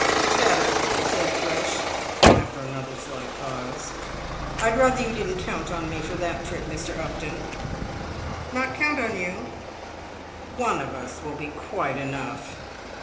"Better," said Thrush, after another slight pause. "I'd rather you didn't count on me for that trip, Mr. Upton." "Not count on you"? "One of us will be quite enough."